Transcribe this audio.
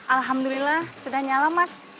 alhamdulillah sudah nyala mas